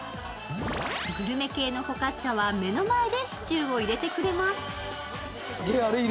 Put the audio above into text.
グルメ系のフォカッチャは目の前でシチューを入れてくれます。